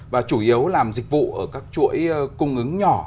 và chủ yếu làm dịch vụ ở các chuỗi cung ứng nhỏ